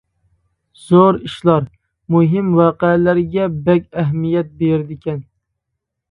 زور ئىشلار، مۇھىم ۋەقەلەرگە بەك ئەھمىيەت بېرىدىكەن.